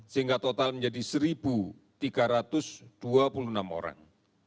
sehingga total menjadi satu tiga ratus dua puluh enam orang